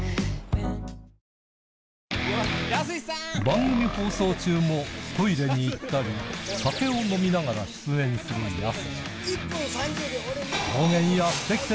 番組放送中も、トイレに行ったり、酒を飲みながら出演するやすし。